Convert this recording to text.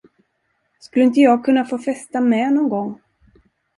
Skulle inte jag kunna få festa med någon gång?